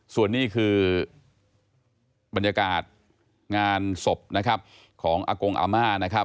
ส่วนนี่คือบรรยากาศงานศพของอากงอามา